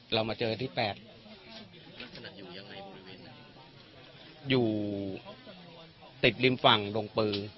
เรามาเจอที่แปดอยู่ติดดินฝั่งดงปือ